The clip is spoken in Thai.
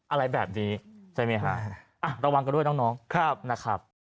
อะไรแบบนี้ใช่ไหมฮะระวังกันด้วยน้องนะครับ